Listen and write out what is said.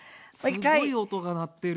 すごい音が鳴ってる。